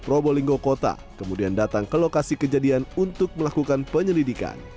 probolinggo kota kemudian datang ke lokasi kejadian untuk melakukan penyelidikan